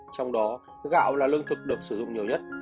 trong đó gạo là lương thực được sử dụng nhiều nhất